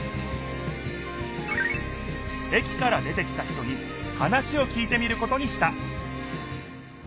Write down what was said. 駅から出てきた人に話をきいてみることにした